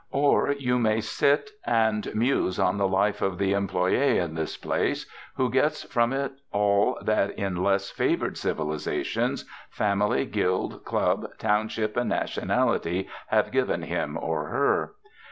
Or you may sit and muse on the life of the employee of this place, who gets from it all that in less favoured civilisations family, guild, club, township, and nationality have given him or her.